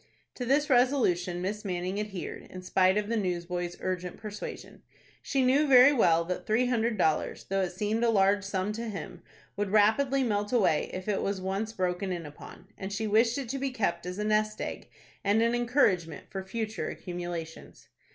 To this resolution Miss Manning adhered, in spite of the newsboy's urgent persuasion. She knew very well that three hundred dollars, though it seemed a large sum to him, would rapidly melt away if it was once broken in upon, and she wished it to be kept as a "nest egg," and an encouragement for future accumulations.